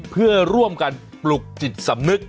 เพื่อร่วมกันปลุกจิตสำนึก